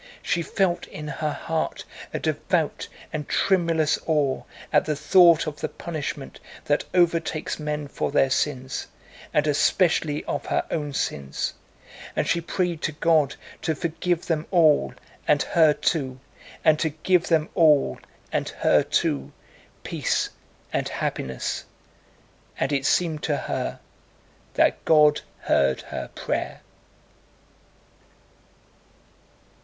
She felt in her heart a devout and tremulous awe at the thought of the punishment that overtakes men for their sins, and especially of her own sins, and she prayed to God to forgive them all, and her too, and to give them all, and her too, peace and happiness. And it seemed to her that God heard her prayer.